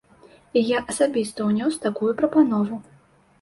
І я асабіста ўнёс такую прапанову.